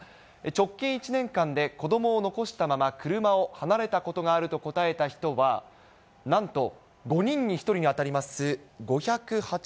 直近１年間で子どもを残したまま車を離れたことがあると答えた人は、なんと５人に１人に当たります５８３人。